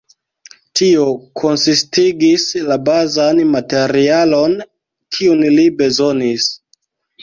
Tio konsistigis la bazan materialon, kiun li bezonis.